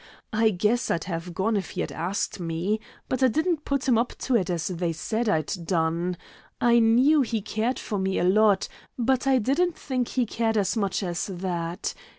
I guess I'd have gone if he had asked me. But I didn't put him up to it as they said I'd done. I knew he cared for me a lot, but I didn't think he cared as much as that.